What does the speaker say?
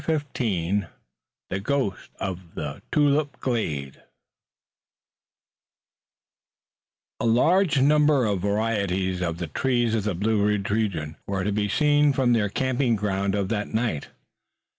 CHAPTER XV THE GHOST OF THE TULIP GLADE A large number of varieties of the trees of the Blue Ridge region were to be seen from their camping ground of that night.